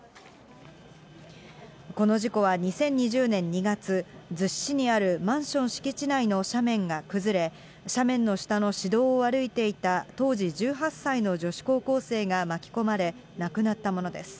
この事故は２０２０年２月、逗子市にあるマンション敷地内の斜面が崩れ、斜面の下の市道を歩いていた当時１８歳の女子高校生が巻き込まれ、亡くなったものです。